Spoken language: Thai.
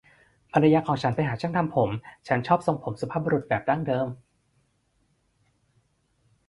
ภรรยาของฉันไปหาช่างทำผม ฉันชอบทรงผมสุภาพบุรุษแบบดั้งเดิม